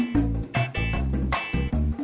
kenapa apaan ini